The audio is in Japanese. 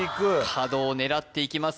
角を狙っていきます